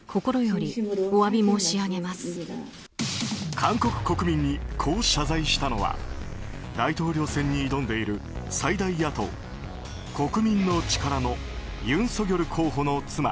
韓国国民に、こう謝罪したのは大統領選に挑んでいる最大野党国民の力のユン・ソギョル候補の妻